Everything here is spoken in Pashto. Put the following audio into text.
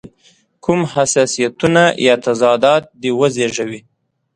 کوم حساسیتونه یا تضادات دې وزېږوي.